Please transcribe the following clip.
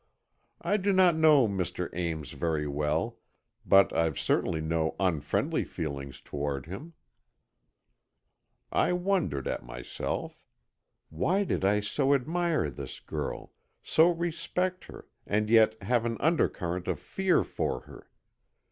I don't know Mr. Ames very well, but I've certainly no unfriendly feelings toward him." I wondered at myself. Why did I so admire this girl, so respect her, and yet have an undercurrent of fear for her?